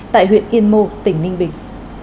tại huyện yên mô tỉnh ninh bình